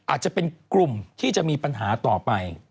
อาจจะเป็นกลุ่มที่จะมีปัญหาต่อไป